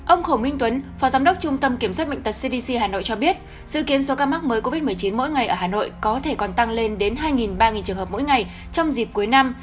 ông khổ minh tuấn phó giám đốc trung tâm kiểm soát bệnh tật cdc hà nội cho biết dự kiến số ca mắc mới covid một mươi chín mỗi ngày ở hà nội có thể còn tăng lên đến hai ba trường hợp mỗi ngày trong dịp cuối năm